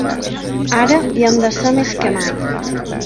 Ara hi hem de ser més que mai.